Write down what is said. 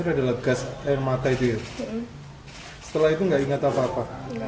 mungkin dirinya tak lagi ingat apa apa